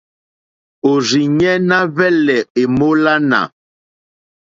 Òrzìɲɛ́ ná hwɛ́lɛ̀ èmólánà.